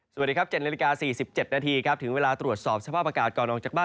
สวัสดีครับ๗นาฬิกา๔๗นาทีครับถึงเวลาตรวจสอบสภาพอากาศก่อนออกจากบ้าน